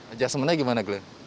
ajasemennya gimana glenn